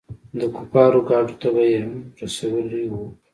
د کفارو ګاډو ته يېم رسولي وو.